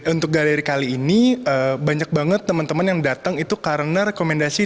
untuk galeri kali ini banyak banget teman teman yang datang itu karena rekomendasi